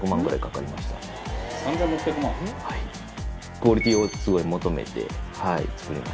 クオリティーをすごい求めて作りました。